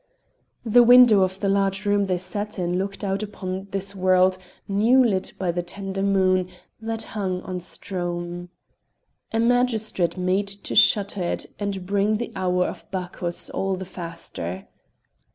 The window of the large room they sat in looked out upon this world new lit by the tender moon that hung on Strome. A magistrate made to shutter it and bring the hour of Bacchus all the faster.